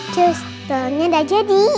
justelnya udah jadi